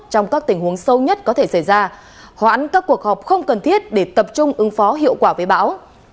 trong các tình huống sâu nhất có thể xảy ra hoãn các cuộc họp không cần thiết để tập trung ứng phó hiệu quả với bão